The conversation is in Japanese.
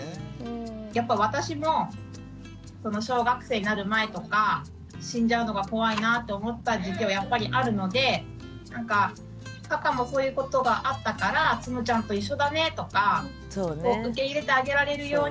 やっぱ私も小学生になる前とか死んじゃうのが怖いなって思った時期はやっぱりあるので「かかもこういうことがあったからつむちゃんと一緒だね」とか受け入れてあげられるように。